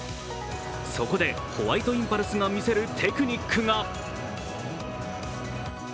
そこでホワイトインパルスが見せるテクニックが。